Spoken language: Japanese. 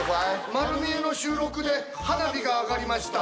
「まる見えの収録で花火が上がりました。